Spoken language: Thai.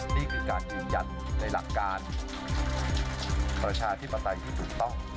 นี่คือการยืนยันในหลักการประชาธิปไตยที่ถูกต้อง